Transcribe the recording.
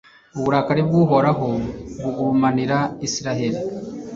uburakari bw'uhoraho bugurumanira israheli